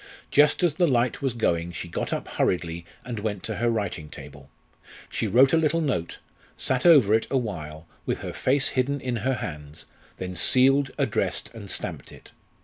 Just as the light was going she got up hurriedly and went to her writing table. She wrote a little note, sat over it a while, with her face hidden in her hands, then sealed, addressed, and stamped it.